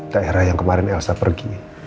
daerah yang kemarin elsa pergi